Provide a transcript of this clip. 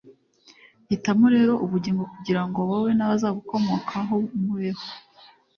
hitamo rero ubugingo kugira ngo wowe n’abazagukomokahomubeho